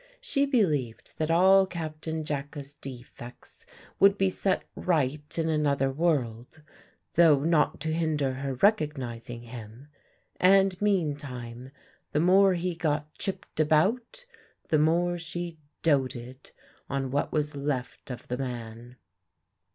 She believed that all Captain Jacka's defects would be set right in another world, though not to hinder her recognising him; and meantime the more he got chipped about the more she doted on what was left of the man.